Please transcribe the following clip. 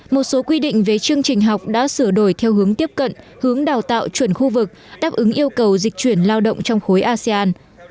một số quy định về chương trình học đã sửa đổi theo hướng tiếp cận hướng đào tạo chuẩn khu vực đáp ứng yêu cầu dịch chuyển lao động trong khối asean